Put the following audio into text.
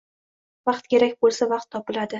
Vaqt kerak bo‘lsa, vaqt topiladi.